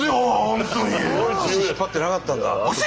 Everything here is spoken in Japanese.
足引っ張ってなかった！